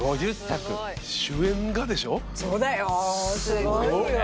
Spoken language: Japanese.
すごいよ。